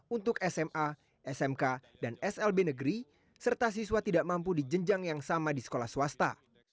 untuk sma smk dan slb negeri serta siswa tidak mampu dijenjang yang sama di sekolah swasta